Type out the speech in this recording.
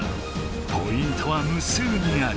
ポイントは無数にある。